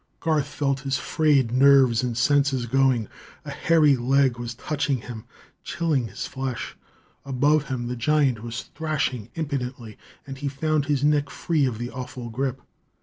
Garth felt his frayed nerves and senses going. A hairy leg was touching him, chilling his flesh. Above him, the giant was thrashing impotently, and he found his neck free of the awful grip.